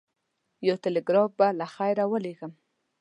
یو ټلګراف به له خیره ورلېږم.